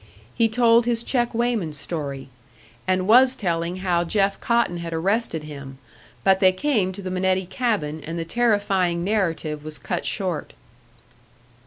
He told his check weighman story, and was telling how Jeff Cotton had arrested him; but they came to the Minetti cabin, and the terrifying narrative was cut short.